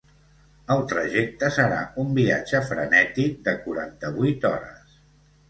El trajecte serà un viatge frenètic de quaranta-vuit hores.